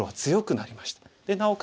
なおかつ